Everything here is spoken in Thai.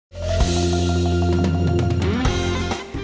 อืม